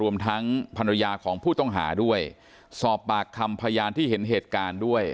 รวมทั้งภรรยาของผู้ต้องหาด้วยสอบปากคำพยานที่เห็นเหตุการณ์ด้วย